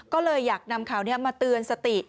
ก็เลยอยากนำข่าวนี้มาเตือนสติ